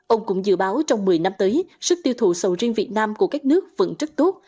ông cũng dự báo trong một mươi năm tới sức tiêu thụ sầu riêng việt nam của các nước vẫn rất tốt